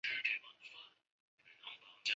传伯爵至赵之龙。